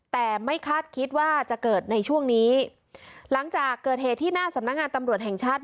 แต่ไม่คาดคิดว่าจะเกิดในช่วงนี้หลังจากเกิดเหตุที่หน้าสำนักงานตำรวจแห่งชาติ